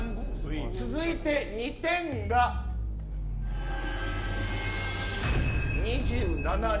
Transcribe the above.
続いて２点が２７人。